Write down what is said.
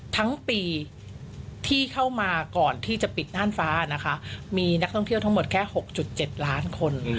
ทั้งปีที่เข้ามาก่อนที่จะปิดน่านฟ้านะคะมีนักท่องเที่ยวทั้งหมดแค่๖๗ล้านคน